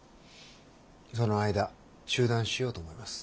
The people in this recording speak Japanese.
その間中断しようと思います。